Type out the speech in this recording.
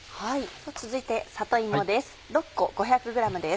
続いて里芋です。